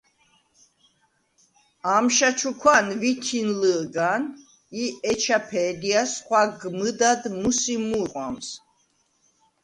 ამშა ჩუქვა̄ნ ვითინ ლჷ̄გა̄ნ ი ეჩა ფე̄დჲას ხვაგმჷდად მუსი მუ̄რყვამს.